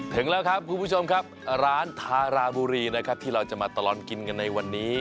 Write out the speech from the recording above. ถึงแล้วครับคุณผู้ชมครับร้านทาราบุรีนะครับที่เราจะมาตลอดกินกันในวันนี้